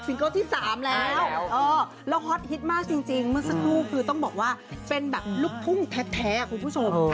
เกิลที่๓แล้วแล้วฮอตฮิตมากจริงเมื่อสักครู่คือต้องบอกว่าเป็นแบบลูกทุ่งแท้คุณผู้ชม